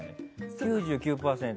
９９％。